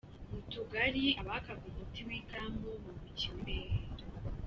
Mu tugali abakaga umuti w’ikaramu bubikiwe imbehe